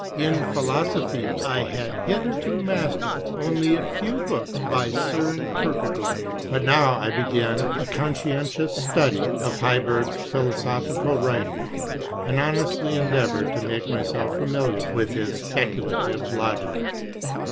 In philosophy I had hitherto mastered only a few books by Soren Kierkegaard. But now I began a conscientious study of Helberg's philo sophical writings and honestly endeavoured to make myself familiar with his speculative logic.